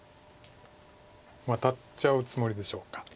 ワタっちゃうつもりでしょうか。